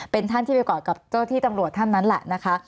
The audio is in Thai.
เป็นท่านที่ไปกอดกับเจ้าที่ตำรวจท่านนั้นแหละนะคะ